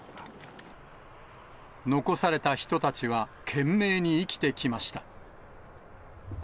残された人たちは、懸命に生きてきました。